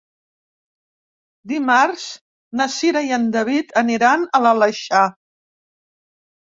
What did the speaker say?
Dimarts na Cira i en David aniran a l'Aleixar.